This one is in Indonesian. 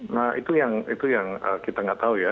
nah itu yang kita nggak tahu ya